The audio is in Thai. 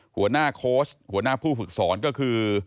หัวหน้าโค้ชหัวหน้าผู้ฝึกสอนก็คือ